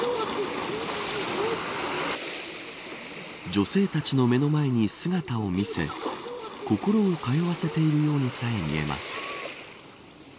女性たちの目の前に姿を見せ心を通わせているようにさえ見えます。